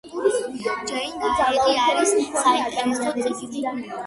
ჯეინ ეარი არის საინტერესო წიგნი